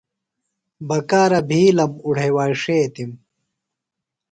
بکارہ بِھیلم اُڈھیواݜیتِم۔